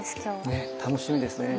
ねえ楽しみですね。